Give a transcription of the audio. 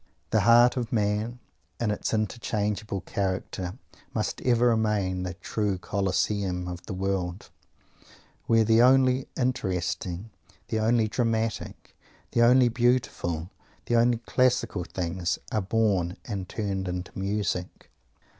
The heart of man, in its unchangeable character, must ever remain the true Coliseum of the world, where the only interesting, the only dramatic, the only beautiful, the only classical things are born and turned into music.